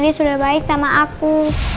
om randy sudah baik sama aku